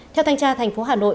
theo thanh tra tp hà nội